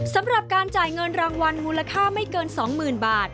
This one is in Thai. สำหรับการจ่ายเงินรางวัลมูลค่าไม่เกิน๒๐๐๐บาท